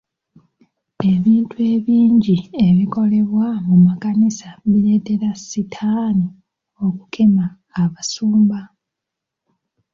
Ebintu ebingi ebikolebwa mu makanisa bireetera sitaani okukema Abasumba.